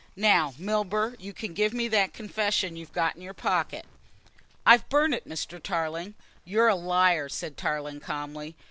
"Now, Milburgh, you can give me that confession you've got in your pocket." "I've burnt it, Mr. Tarling." "You're a liar," said Tarling calmly.